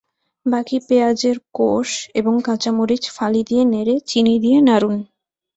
বাকি পেঁয়াজের কোষ এবং কাঁচা মরিচ ফালি দিয়ে নেড়ে চিনি দিয়ে নাড়ুন।